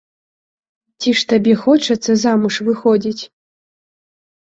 Ці ж табе хочацца замуж выходзіць?